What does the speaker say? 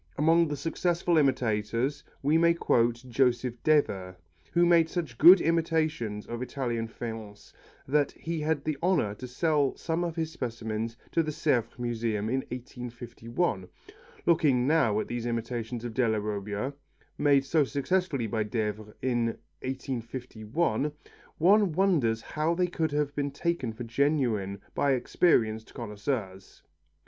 Among the successful imitators we may quote Joseph Devers, who made such good imitations of Italian faience that he had the honour to sell some of his specimens to the Sèvres Museum in 1851. Looking now at these imitations of Della Robbia, made so successfully by Devers in 1851, one wonders how they could have been taken for genuine by experienced connoisseurs.